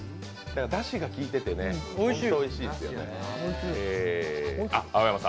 だしがきいてて、ホントおいしいですよね。